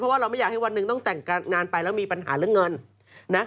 เพราะว่าเราไม่อยากให้วันนึงต้องแต่งกันนานไปแล้วมีปัญหาเรื่องเงิน